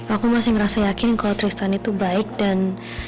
aku masih merasa yakin kalau tristan itu baik dan